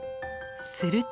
すると。